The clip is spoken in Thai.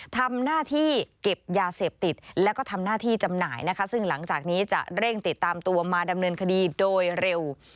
ทำหน้าที่เก็บยาเสพติดแล้วก็ทำหน้าที่จำหน่ายนะคะซึ่งหลังจากนี้จะเร่งติดตามตัวมาดำเนินคดีโดยเร็ว